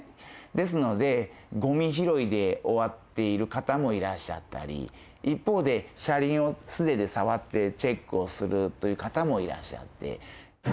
ですのでごみ拾いで終わっている方もいらっしゃったり一方で車輪を素手で触ってチェックをするという方もいらっしゃって。